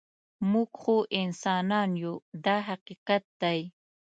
موږ خو انسانان یو دا حقیقت دی.